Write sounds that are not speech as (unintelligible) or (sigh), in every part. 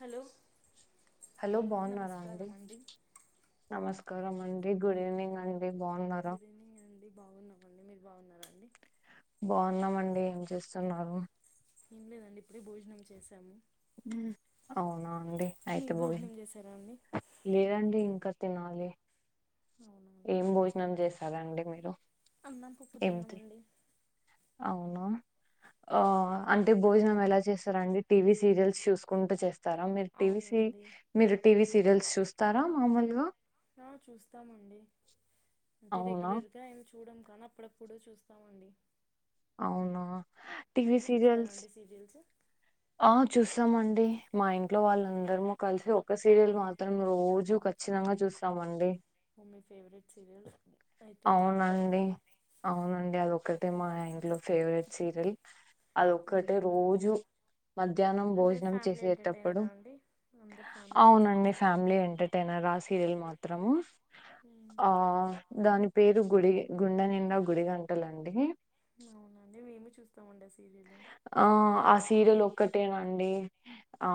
Hello hello బావున్నారా అండి నమస్క కరం అండి గుడ్ ఈవెనింగ్ అండి బావున్నారా బావున్నామండి మీరు బావున్నారండి బావున్నామండి ఏం చేస్తున్నారు ఏం లేదండి ఇప్పుడే భోజనం చేసాము అవునా అండి అయితే మీరు భోజనం బయింది చేసారా అండి లేదండి ఇంకా తినాలి అవునా అండి ఏం భోజనం చేసారండి మీరు అన్నం పప్పు ఏం తి తిన్నామండి అవునా ఆ అంటే బోజనం ఎలా చేస్తార అండి టీవి సీరియల్స్ చూసుకుంటూ చేస్తారా మీరు టీవీ సి అవునండి మీరు టీవీ సీరియల్స్ చూస్తారా మామూలుగా ఆ చూస్తామండి అంటే అవునా రెగ్యులర్గా ఏమి చూడము కానీ అప్పుడప్పుడు చూస్తామండి అవునా టీవి మీరు చూస్తారా సీరియల్స్ అండి సీరియల్స్ ఆ చూస్తామండి మా ఇంట్ ఇంట్లో వాళ్ళందరము కలిసి ఒక్క సీరియల్ మాత్రం రోజూ ఖచ్చితంగా చూస్తామండి మీ ఫేవరెట్ సీరియల్ అవునండి అవునండి అది ఒక్కటే మా ఇంట్లో ఫేవరెట్ సీరియల్ అవునా అదొక్కటే రోజూ మధ్యాహ్నం అంటే భోజనం ఫ్యామిలీ చేసేటప్పుడు ఎంటర్టైనరా అండి అందరు ఫ్యామిలీ కలిసి అవునండి చూస్తాం ఫ్యామిలీ ఎంటర్టైనర్ ఆ సీరియల్ మాత్ త్రం మ్మ్. ఆ పేరు గుడి గుండె నిండా గుడిగంటలండి అవునండి మేము చూస్తామండి ఆ సీ ఆ ఆ సీరియల్ ఒక్కటేనండి ఆ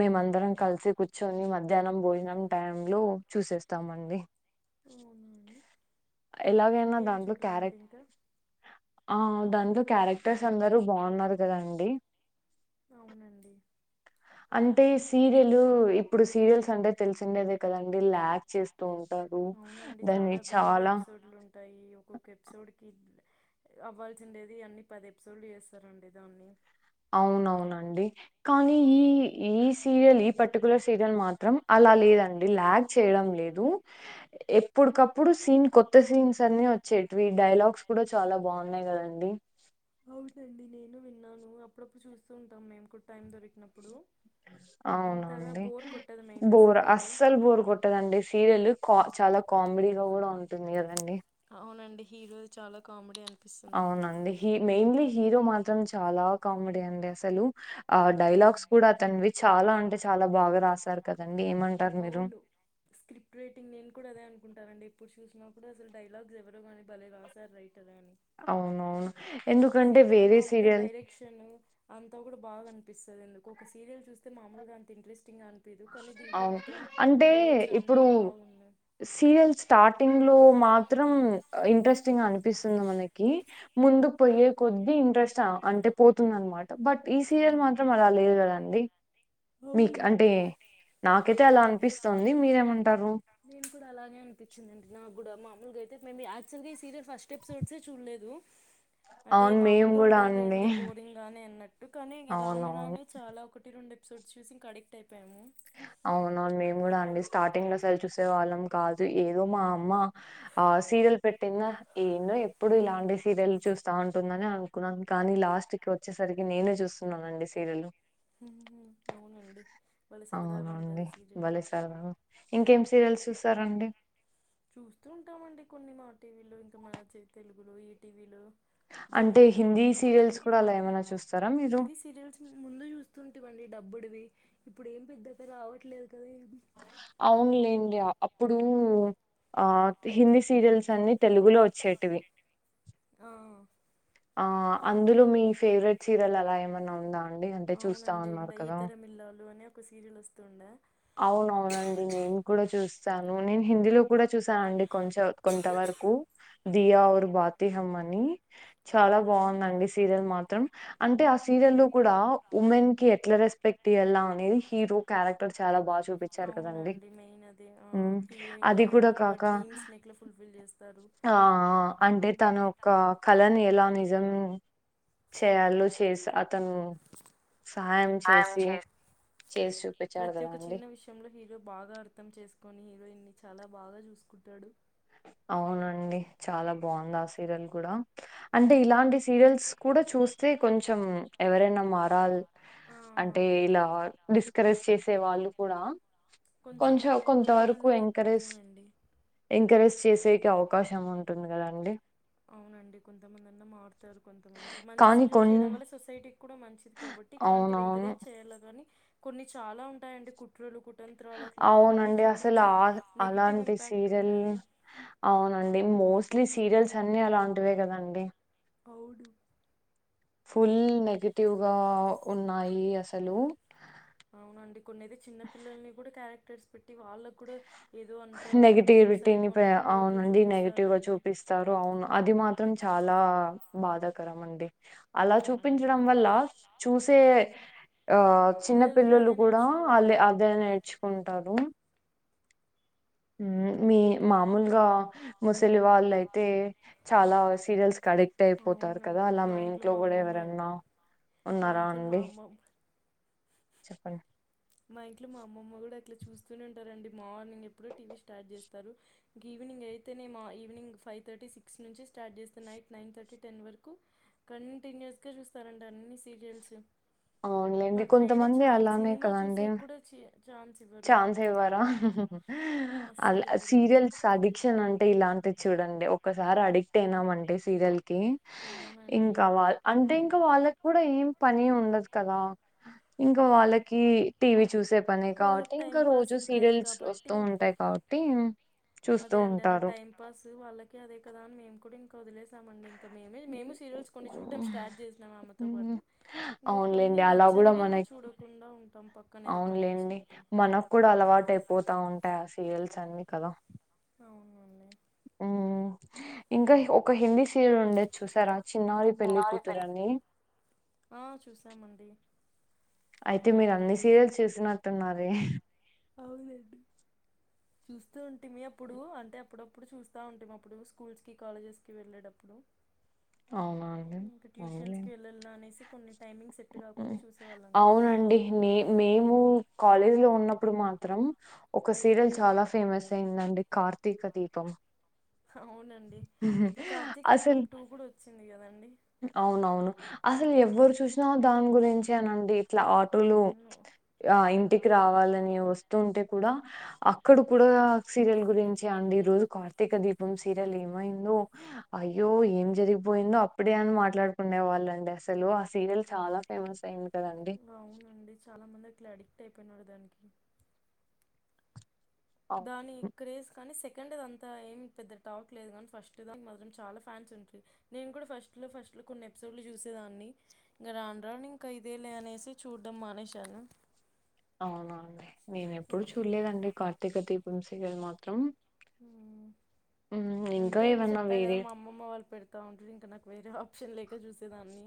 మేమందరం కలిసి కూర్చొని మధ్యాహ్నం భోజనం టైం లో చూసేస్తాం అమండి అవునండి ఎలాగైనా ఇంకేం దాంట్లో చూడరా అండి క్యారెక్ట్ ఇంకా ఆ దాంట్లో క్యారెక్టర్స్ అందరు బాగున్నారు కదండి అవునండి అంటే సీరియల్ ఇప్పుడు సీరియల్స్ అంటే తెలిసిండేదే కదండి ల్యాక్ చేస్తూ ఉంటారు అవునండి చాలా వేల ఎపిసోడ్లు ఉంటాయి ఒక్కొక్క ఎపిసోడ్ కి అవ్వాల్సి ఉండేది అన్ని పది ఎపిసోడ్లు చేస్తారండి దాన్ని అవునవునండి కానీ ఈ ఈ సీరియల్ ఈ పర్టిక్యులర్ సీరియల్ మాత్రం అలా లేదండి ల్యాగ్ చేయడం లేదు ఇప్పుటికప్పుడు సీన్ కొత్త సీన్స్ అన్ని వచ్చేటివి డైలాగ్స్ కూడా చాలా బాగున్నాయి కదండి అవునండి న్నాను అప్పుడప్పుడు చూస్తూ ఉంటాం మేము కూడా టైం దొరికినప్పుడు అంతగా అవునండి బోర్ కొట్టదు మెయిన్గా బోర్ సీరియల్ అస్సలు బోర్ కొట్టదండి సిరియల్ కా చాలా కామెడీగా కూడా ఉంటుంది కదండి అవునండి హీరోది చాలా కామెడీ అండి అవునండి హీ మెయిన్లీ హీరో మాత్రం చాలా కామెడీ అండి అసలు ఆ డైలాగ్స్ అవునండి కూడా అతనివి చాలా అంటే చాలా బాగా రాసారు కదండి ఏమంటారు మీరు అవును స్క్రిప్ట్ రైటింగ్ నేను కూడా అదే అనుకుంటానండి ఎప్పుడు చూసినా కూడా అసలు డైలాగ్స్ ఎవరో కానీ భలే రాశారు రైట్ అవునవును ఈ ఎందుకంటే సీరియల్ లో వేరే అంత సీరియల్ డైరెక్షన్ అంత కూడా బాగా అనిపిస్తది ఎందుకో ఒక సీరియల్ చూస్తే మామూలుగా అంత ఇంట్రెస్టింగ్గా అని ఏదో కానీ దీంట్లో అవును మాత్రం అంటే రోల్స్ అన్ని ఇప్పుడు బాగున్నాయ్ సీరియల్ స్టార్టింగ్లో మాత్రం ఇంట్రెస్టింగ్ గా అనిపిస్తుంది మనకి ముందుకుపోయే కొద్ది ఇంట్రెస్ట్ అంటే పోతుంది అనమా బట్ ఈ సీరియల్ మాత్రం అలా లేదు కదండి అవును మీక్ అవును అంటే కయితే అలా అనిపిస్తోంది మీరేమంటారు నేను కూడా అలాగే అనిపించిందండి నాకు కూడా మామూలుగా అయితే మేము యాక్టువల్గా ఈ సీరియల్ ఫస్ట్ ఎపిసోడ్స్ ఏ చూడలేదు అంటే అవును మేము మామూలుగా కూడా అండి ఉంటదిలేండి బోరింగ్ గానే అన్నట్టు కానీ ఇంగ రాను అవునవును రాను చాలా ఒకటి రెండు ఎపి సోడ్స్ చూసి ఇంక అడిక్ట్ అయిపోయాము (inaudible) అవునండి మేము కూడా అండి స్టార్టింగ్ అసల్ చూసే వాళ్ళం కాదు ఏదో మా అమ్మ ఆ సి సీరియల్ పెట్టిందా ఏందో ఎప్పుడు ఇలాంటి సీరియల్ చూస్తా ఉంటుందని అనుకున్నాను కానీ లాస్ట్ కి కో చ్చేసరికి నేనే చూస్తున్నానండి సీరియళ్ళు మ్మ్మ్మ్ అవునండి భలే సరదాగా అవునండి ఉంటుంది సీరియల్ బలే సరదా ఇంకేం సీరియల్స్ చూస్తారండి చూస్తూ ఉంటామండి కొన్ని మా టీవీలో ఇంకా మ్యాచ్ అయి తెలుగులో ఈ టీవీలో అంటే హిందీ సీరియల్స్ కూడా అలా ఏమైనా చూస్తారా మీరు ఇటువంటి డబ్బుడివి ఇప్పుడు ఏం పెద్దగా రావట్లేదు కదా ఏం అవున్లేండి అప్పుడు ఆ హిందీ సీరియల్స్ అన్నీ తెలుగులో వచ్చేటివి ఆ ఆ అందులో మీ ఫేవరెట్ సీరియల్ అలా ఏమన్నా ఉందా అండి అంటే చూస్తా అవునండి అన్నారు ఉండే కదా ఈతరం ఇల్లాలు అని ఒక సీరియల్ వస్తు ఉండే అవునవునండి నేను కూడా చూస్తాను నేను హిందీలో కూడా చూసానండి కొంచం కొంత వర్క్ ఉ దియా ఔర్ భాతిహం అని చాలా అవును బాగుందండి సీరియల్ మాత్రం అంటే ఆ సీరియల్ లో కూడా ఉమెన్ కి ఎట్ల రెస్పెక్ట్ ఇయ్యాల అనేది హీరో క్యారెక్టర్ చాలా బాగా చూపించారు కదండి అవునండి మెయిన్ అదే ఆ ఉమ్ హీరోయిన్ అది కూడా యొక్క కాక డ్రీమ్స్ ని ఎట్లా ఫుల్ఫిల్ చేస్ ఆ ఆ అంటే తను ఒక్క కలని ఎలా నిజం మ్ షేయాల్లో చేస తన్ను సహాయం చేసి చేస్ చూపి ప్రతి ఒక్క చిన్న విషయంలో హీరో బాగా అర్థం చేసుకొని హీరోయిన్ ని చాలా బాగా చూసుకుంటాడు (unintelligible) అవునండి చాలా బాగుంది ఆ సీరియల్ కూడా అంటే ఇలాంటి సీరియల్స్ కూడా చూస్తే టే కొంచెం ఎవరైనా మారాల్ ఆ అంటే ఇలా డిస్కరేజ్ చేసే వాళ్ళు కూడా కొంచవ్ కొంచెమంది కొంత వరుకు కొంతమందన్న ఎంకరేజ్ అవునండి ఎంకరేజ్ చేసేకే అవకాశం ఉంటుంది కదండీ అవునండి కొంతమందన్నా మారుతారు కొంతమంది కి మంచి కానీ సీరియల్ కొన్ చేయడం వల్ల సొసైటీ కూడా మంచిది కాబట్టి ఇట్లాంటివి అవునవును. ఎంకరేజ్ చేయాలగాని కొన్ని చాలా ఉంటాయి అండి కుట్రలు కుట్ అవునండి అసల్ ఆ చాలా నెగిటివ్ ఆడుకుంటున్నారు. అలాంటి ఇంపాక్ట్ సీరియల్ ఉంటుంది అవునండి మోస్ట్లీ సీరియల్స్ అన్ని అలాంటివే కదండి అవ్ డు ఫుల్ నెగెటివ్ గా ఉన్నాయి అసలు అవునండి కొన్నియితే చిన్న పిల్లల్ని కూడా క్యారెక్టర్స్ పెట్టి వాళ్ళక్ కూడ నెగిటివిటీని ప్రయ్ అట్లా అవునండి నెగిటివ్ గా చూపిస్తారండి. చూపిస్తారు అవును అది మాత్రం చ అలా బాధాకరం అండి అలా అవునండి. చూపించడం వల్ల చూసే ఆ చిన్న పిల్లలకి పిల్లలు అదే కూడా అలె నేర్చుకుంటారు. అదే నేర్చుకుంటారు ఉమ్ మీ మామూలుగా ముసలి వాళ్ళ అయితే చాలా సీరియల్స్ కలెక్ట్ అయిపోతారు కదా అవునండి అలా మా మీ ఇంట్లో మా కూడా అమ్మమ్మ ఎవరన్నా మా ఉన్నారా ఇంట్లో మా అండి అమ్మమ్మ చెప్పండ్ మా ఇంట్లో మా అమ్మమ్మ కూడా అట్లా చూస్తూనే ఉంటారండి మార్నింగ్ ఎప్పుడ టీవీ స్టార్ట్ చేస్తారు ఇంక ఈవింగ్ ఇంగ్ అయితే న మా ఈవినింగ్ ఫైవ్ థర్టీ సిక్స్ నుంచి స్టార్ట్ చేస్తే నైట్ నైన్ థర్టీ టెన్ వరకు కంటిన్యూస్గ చూస్తారంట అన్ని సీరియల్స్ అవున్లేండి మాకు వేరే కొంతమంది ఛానల్ అలానే సినిమా కదా చూసే కూడ చెయన్ ఛాన్స్ ఇవ్వరా అల్ అస్సలు ఇవ్వరండి అలా సీరియల్స్ అడిక్షన్ అంటే ఇలాంటి చూడండి కోసార్ అడిక్ట్ అయినామంటే సీరియల్ టి అవునండి ఇంకా వా అంటే ఇంకా వాళ్ళక్ కూడా ఏం పని ఉండ కదా ఇంకా వాళ్ళకి టీవీ చూసే పని కాట్ వాళ్ళకి టైం ఇంకా పాస్ రోజు ఇంకా అదే సీరియల్స్ వస్తూ కాబట్టి ఉంటాయి కాబట్టి చూస్తూ అదే అండి అలా ఉంటారు. టైం పాస్ వాళ్ళకి అదే కదా అని మేము కూడా ఇంకా వదిలేసామండిం ఇంకా మేమే మేము సీరియల్స్ కొన్ని చూడ్డం స్టార్ట్ చేసినాం ఆమెతో పాటు హ్మ్. ఇంకా కొన్ని అవునులేండి. అలా గూడా నచ్చనవి ఇంకా మనకి చూడకుండా ఉం అవునులేండి మనకు కూడా అలవాటు అయిపోతా ఉంటాయి ఆ సీరియల్స్ అన్ని కదా అవునండి ఊ ఇంకా ఒక హిందీస్ సీరియల్ ఉండే చూసారా చిన్నారి పెళ్లి కూతురని ఆ చూసామండి అయితే మీరు అన్ని సీరియల్స్ చూసినట్టున్నారే అవునండి చూస్తూ ఉంటిమి అప్పుడు అంటే అప్పుడప్పుడు చూస్తా ఉంటిమి అప్పుడు స్కూల్స్ కి కాలేజెస్ కి వెళ్ళేటప్పుడు అవునా అండి డు ఇంకా ట్యూషన్స్ వెళలనా అనేసి కొన్ని టైమింగ్స్ ఉ ఊ అవునండి నే మేము కాలేజీ లో ఉన్నప్పుడు మాత్రం ఒక సీరియల్ చాలా ఫేమస్ అయిందండి కార్తీక దీపం అవునండి ఇప్పుడు కార్తీక దీపం అసలు టూ కూడా వచ్చింది కదండి అవునవును అసలు ఎవరు చూసినా దాని గురించే నండి ఇట్ల ఆటోలు అవును ఆ ఇంటికి రావాలని వస్తుంటే కూడా అక్కడ కూడా సీరియల్ గురించే అండి ఈ రోజు కార్తీక దీపం సీరియల్ ఏమైందో ఒ అయ్యో ఏం జరిగిపోయిందో అప్ ప్పుడే అని మాట్లాడుకునే వాళ్ళండి అసలు ఆ సీరియల్ చాలా ఫేమస్ అయింది కదండి అవునండి చాలా మంది అట్లా అడిక్ట్ అయిపోయినరు దానికి అవును దాని క్రేజ్ కానీ సెక్ సెకండ్దంతా ఏం పెద్ద టౌట్ లేదు కానీ ఫస్ట్ దానికి మాత్రం చాలా ఫ్యాన్స్ ఉంట్రీ నేను కూడా ఫస్ట్ లో ఫస్ట్ ఇట్లు కొన్ని ఎపిసోడ్లు చూసేదాన్ని ఇంకా రాండ్రాను ఇంక ఇదేలే అనేసి చూడ్డం మానేశాను అవున అండి నేను ఎప్పుడు చూడలేదండి కార్తీక దీపం సీరియల్ మాత్రం ఊ ఉమ్, ఇంకా అంతే అండి ఏమన్నా చెప్పా కదా వేరే మా అమ్మమ్మ వాళ్ళు పెడతా ఉంట్రీ ఇంకా నాకు వేరే అప్ ఆప్షన్ లేక చూసేదాన్ని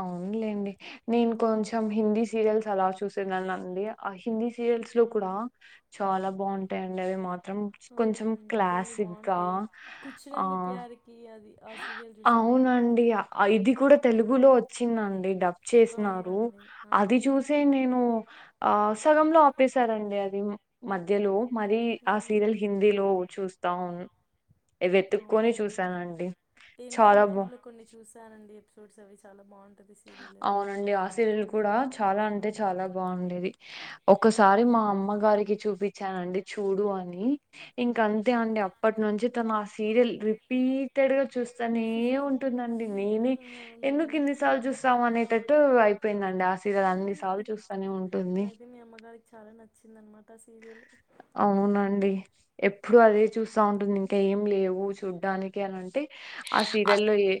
అవునులేండి నేను కొంచెం హిందీ సీరియల్స్ అలా చూసేదనండి ఆ హిందీ సీ యల్స్ లో కూడా చాలా బాగుంటాయిండి అవి మా త్రం కొంచెం అవునండి కొన్ని క్లాసిక్గా బాగుంటాయి ఆ కుచ్చిరంగ ప్యారికి అది ఆ సీరియల్ చూసారా అండి అవునండి ఇది కూడా తెలుగులో వచ్చిందండి డబ్ చేసినారు అవునండి ఆ అది ది చూసే నేను ఆ సగంలో ఆపేశారండి అది మధ్యలో మరీ ఆ సీరియల్ హిందీలో ఉమ్. చూస్తా ఉ ఇది ఎతుకొని అవునా అండి చూసానండి నేను కూడా చాలా బా యూట్యూబ్ లో కొన్ని చూశానండి ఎపిసోడ్స్ అవి చాల బాగుం అవునండి ఆ సీరియల్ కూడా చాలా అంటే చాలా బాగుండేది. ఒకసారి మా అమ్మగారికి చూపించానండి చూడు అని ఇంక అంతే అండి అప్పటి ను నుంచి తన ఆ సీరియల్ రిపీటెడ్ గా చూస్ స్తానే ఉంటుందండి నేనే ఉంటుందండి డైలీ ఎందుకు ఇన్ని ఎన్ని సార్లు చూస్తవ్ అనేటట్టు అయిపోయిందండి ఆ సీరీయల్ అన్ని సార్లు చూస్తనే ఉంటుంది. అయితే మీ అమ్మగారికి చాలా నచ్చింది అన్నమాట అవునండి ఎప్పుడు అది చూస్తా ఉంటుంది ఇంకా ఏం లేవు చూడ్డానికి అని అంటే ఆ సీరియల్లో ఏ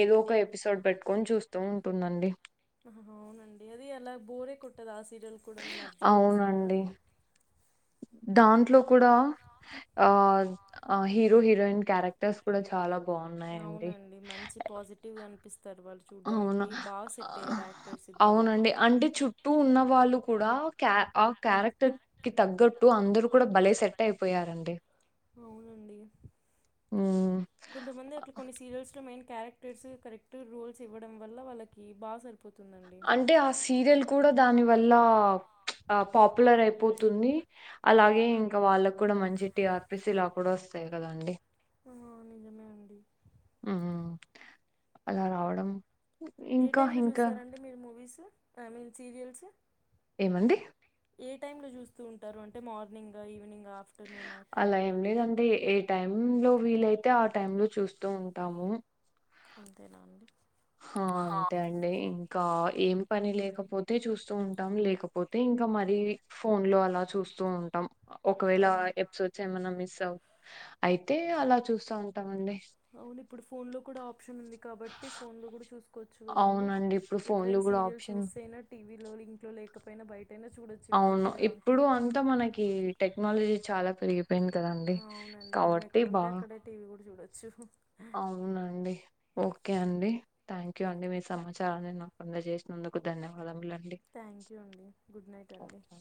ఏదో ఒక ఎపిసోడ్ పెట్టుకొని చూస్తూ ఉంటుందండి. హ హ అవునండి అది అలా బోరే కొట్టదు ఆ సీ సీరియల్ కూడా నేను అబ్జర్వ్ చేసె కదా అవునండి (inaudible) దాంట్లో కూడా ఆ హీరో, హీరోయిన్ క్యారెక్టర్స్ కూడా చాలా బావున్నాయండి. అవునండి మంచి పాజిటివ్ గా అనిపిస్ అవును. చూడ్డానికి బాగ సెట్టు ఆహ్, అయ్యారు యాక్టర్. అవునండి అంటే చుట్టూ ఉన్న వాళ్ళు కూడా క్యా ఆ క్యారెక్టర్ కి తగ్గట్ టు అందరూ కూడా భలే సెట్ అయిపోయారండి. అవునండి హ్మ్. కొంతమంది అట్లా కొన్ని సీరియల్స్ లో మెన్ క్యారెక్టర్స్ కరెక్ట్ రోల్స్ ఇవ్వడం వల్ల వాళ్ళకి బాగా సె అంటే ఆ సీరియల్ కూడా దాని వల్ల ఆ పాపులర్ అయిపోతుంది అలాగే ఇంకా వాళ్ళకు కూడా మంచి టీఆర్పిస్ ఇలా కూడా వస్తుంది. అంతే కదా అండి ఆ నిజమే అండి. ఉ అలా రావడం ఏ ఇంకా టైంలో ఇంకా చూస్తారండి మీరు మూవీస్ ఐ మీన్ సీరియల్స్. ఏమండి ఏ టైమ్ లో చూస్తూ ఉంటారు అంటే మార్నింగ్ గా ఈవినింగ్ ఆఫ్టర్నూన్ అట్లా అలా ఏం లేదండీ. ఏ టైం లో వీలైతే ఆ టైమ్ లో చూస్తూ ఉంటాము అంతేనా అండి ఆ అంతే అండి. ఇ కా ఏం పని లేకపోతే చూస్తూ ఉంటాం లేకపోతే ఇంకా మరి ఫోన్ లో అలా చూస్తూ స్తూ ఉంటాం ఒకవేళ ఆ ఎపిసోడ్స్ ఏమన్నా మిస్ అవ్ అయితే అలా చూస్తూ ఉంటామండి. అవును ఇప్పుడు ఫోన్ లో కూడా ఆప్షన్ ఉంది కాబట్టి ఫోన్ లో కూడా చూస్త చ్చు కదండి అవునండి ఇప్పుడు ఫోన్లు ఎప్పుడైనా కూడా సీరియల్స్ ఆప్షన్ మిస్ అయినా టీవీలో ఇంట్లో లో లేకపోయినా బయట అవును ఇప్పుడు అంతా మనకి టెక్నాలజీ చాలా పెరిగి పోయింది కదండి. ఆ, కాబట్టి బాగా చ్చు అవునండి. ఓకే అండి. థ్యాంక్ యూ అండి మీ సమాచారాన్ని నాకు అందజేసినదు కు ధన్యవాదములండి. థ్యాంక్ యూ అండి. గుడ్ నైట్ అండి. ఓకే